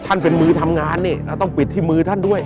เป็นมือทำงานนี่เราต้องปิดที่มือท่านด้วย